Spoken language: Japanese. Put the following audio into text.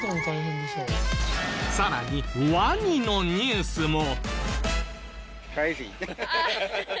さらにワニのニュースも。